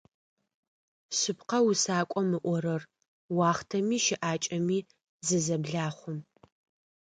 Шъыпкъэ усакӏом ыӏорэр - уахътэми щыӏакӏэми зызэблахъу.